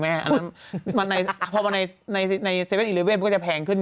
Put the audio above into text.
มันเหมือนข้าวโพสที่น้องชอบกิน